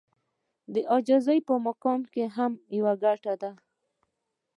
د عاجزي په مقام کې هم يوه ګټه ده.